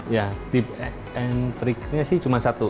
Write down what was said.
ya tips and tricks nya sih cuma satu